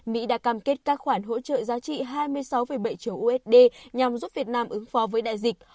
mỹ đã cam kết các khoản hỗ trợ giá trị hai mươi sáu bảy triệu usd nhằm giúp việt nam ứng phó với đại dịch